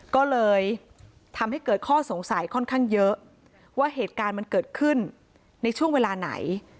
ก็เลยทำให้เกิดข้อสงสัยค่อนข้างเยอะว่าเหตุการณ์มันเกิดขึ้นในช่วงเวลาไหน